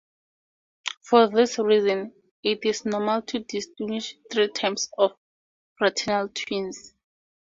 For this reason, it is normal to distinguish three types of fraternal twins.